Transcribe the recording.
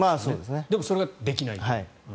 でもそれができないんだと。